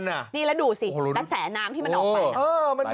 นี่แล้วดูสิกระแสน้ำที่มันออกไป